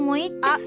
あっ。